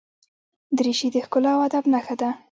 دریشي د ښکلا او ادب نښه ده.